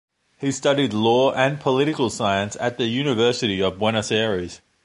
He studied law and political science at the University of Buenos Aires.